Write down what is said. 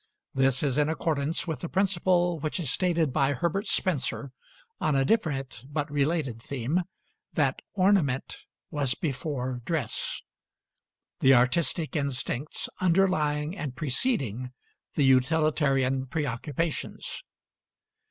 This is in accordance with a principle which is stated by Herbert Spencer on a different but related theme, that "Ornament was before dress," the artistic instincts underlying and preceding the utilitarian preoccupations.